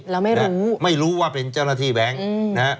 แล้วไม่รู้ว่าเป็นเจ้าหน้าที่แบงค์